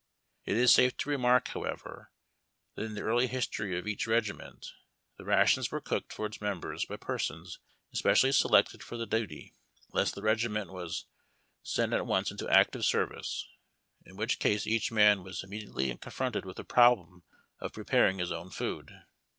It is safe to remark, however, that in the early history of each regiment the rations were cooked for its members by pei'sons especially selected for the duty, unless the regiment was sent at once into active service, in which case each man was im mediately confronted with the problem of preparing his own food.